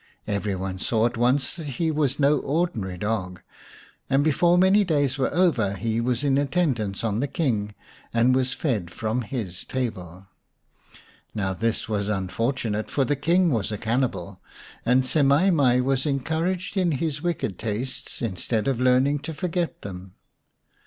Every one saw at once that he was no ordinary dog, and before many days were over he was in attendance on the King and was fed from his table. Now this was unfortunate, for the King was a cannibal, and Semai mai was encouraged in his wicked tastes instead of learning to forget them.